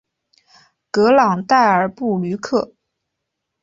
格朗代尔布吕克。